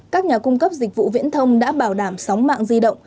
các nhà cung cấp dịch vụ viễn thông đã bảo đảm sóng mạng di động